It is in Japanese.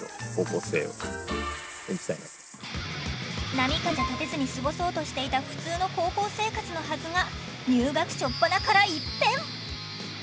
波風立てずに過ごそうとしていた普通の高校生活のはずが入学しょっぱなから一変！